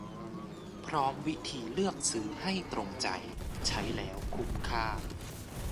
พร้อมวิธีเลือกซื้อให้ตรงใจ ใช้แล้วคุ้มค่า